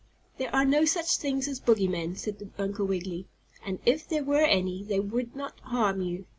"There are no such things as bogeymen," said Uncle Wiggily, "and if there were any, they would not harm you.